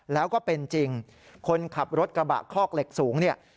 แล้วก็เป็นจริงคนขับรถกระบะคอกเหล็กสูงเนี่ย